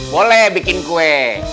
boleh bikin kue